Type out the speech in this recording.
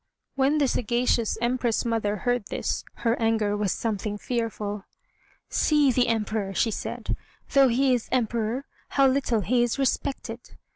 When the sagacious Empress mother heard this, her anger was something fearful. "See the Emperor," she said; "though he is Emperor, how little he is respected!